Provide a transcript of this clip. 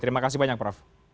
terima kasih banyak prof